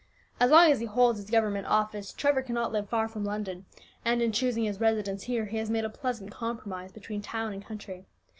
As long as he holds his government office, Trevor cannot live far from London; and in choosing his residence here, he has made a pleasant compromise between town and country.